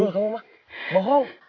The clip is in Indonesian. waduh kamu mah bohong